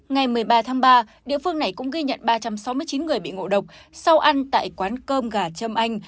ngày một mươi ba tháng ba địa phương này cũng ghi nhận ba trăm sáu mươi chín người bị ngộ độc sau ăn tại quán cơm gà châm anh